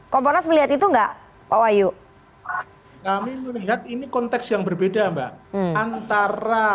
komponas melihat itu enggak pak wahyu kami melihat ini konteks yang berbeda mbak antara